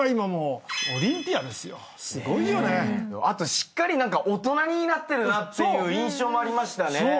あとしっかり大人になってるなって印象もありましたね。